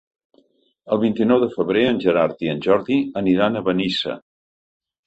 El vint-i-nou de febrer en Gerard i en Jordi aniran a Benissa.